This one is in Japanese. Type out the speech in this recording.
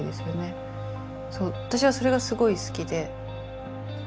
そう私はそれがすごい好きで。